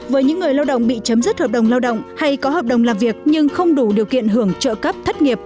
với những người lao động bị chấm dứt hợp đồng lao động hay có hợp đồng làm việc nhưng không đủ điều kiện hưởng trợ cấp thất nghiệp